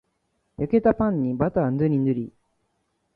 焼けたパンにバターぬりぬり